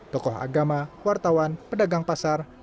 tokoh agama wartawan pedagang pasar